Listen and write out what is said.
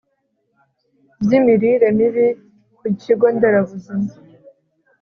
by'imirire mibi ku kigo nderabuzima